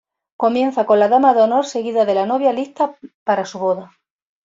Comienza con la dama de honor seguida de la novia lista para su boda.